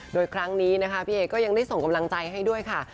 โดยครั้งนี้นะคะพี่เอก็ยังได้ส่งกำลังใจให้ด้วยค่ะ